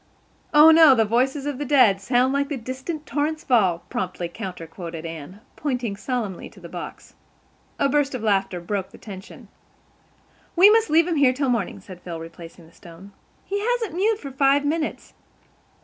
"'Oh, no, the voices of the dead Sound like the distant torrent's fall,'" promptly counter quoted Anne, pointing solemnly to the box. A burst of laughter broke the tension. "We must leave him here till morning," said Phil, replacing the stone. "He hasn't mewed for five minutes.